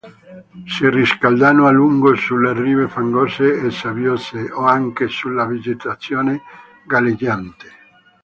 Si riscaldano a lungo sulle rive fangose o sabbiose o anche sulla vegetazione galleggiante.